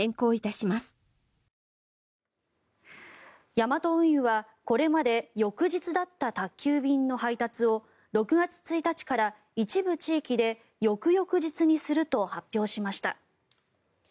ヤマト運輸はこれまで翌日だった宅急便の配達を６月１日から一部地域で翌々日にすると発表しました。